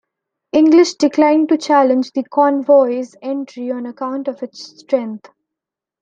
English declined to challenge the convoy's entry on account of its strength.